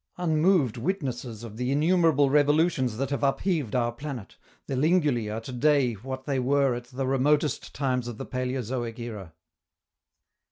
Unmoved witnesses of the innumerable revolutions that have upheaved our planet, the Lingulae are to day what they were at the remotest times of the paleozoic era.